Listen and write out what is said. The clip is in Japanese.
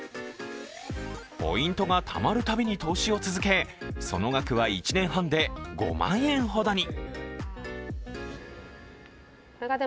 ポイントがたまる度に投資を続け、その額は１年半で５万円ほどに。